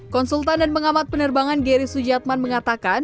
konsultan dan pengamat penerbangan gary sujatman mengatakan